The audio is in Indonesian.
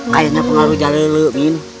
kayaknya pengaruh jalele min